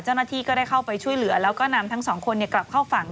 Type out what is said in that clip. เจ้าหน้าที่ก็ได้เข้าไปช่วยเหลือแล้วก็นำทั้งสองคนกลับเข้าฝั่ง